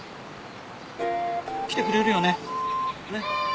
来てくれるよね？ね？